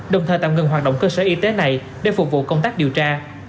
đồng thời tạm ngừng hoạt động cơ sở y tế này để phục vụ công tác điều tra